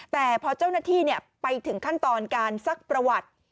แต่พอเจ้าหน้าที่ไปถึงขั้นตอนการซักประวัติ